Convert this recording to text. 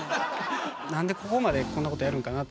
なんでここまでこんなことやるんかな？って